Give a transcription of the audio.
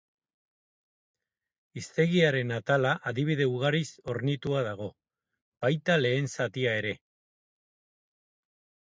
Hiztegiaren atala adibide ugariz hornituta dago, baita lehen zatia ere.